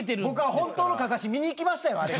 僕は本当のかかし見に行きましたよ